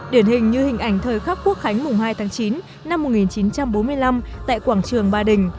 điển hình như hình ảnh thời khắc quốc khánh mùng hai tháng chín năm một nghìn chín trăm bốn mươi năm tại quảng trường ba đình